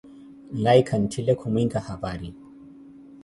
Nlaiku nttile kumwinka hapari